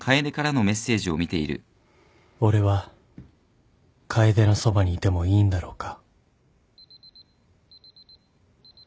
俺は楓のそばにいてもいいんだろうか